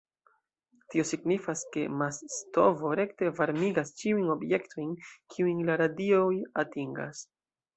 Tio signifas, ke mas-stovo rekte varmigas ĉiujn objektojn, kiujn la radioj atingas.